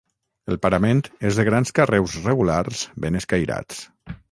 El parament és de grans carreus regulars ben escairats.